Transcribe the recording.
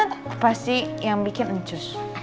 aku pasti yang bikin encus